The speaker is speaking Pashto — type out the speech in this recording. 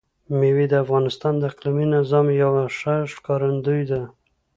مېوې د افغانستان د اقلیمي نظام یوه ښه ښکارندوی ده.